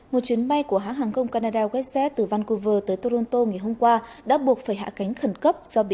một chuyến bay của hãng hàng công canada westside từ vancouver tới toronto ngày hôm qua đã buộc phải hạ cánh khẩn cấp do bị đe dọa đánh bom